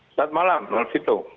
selamat malam mas fito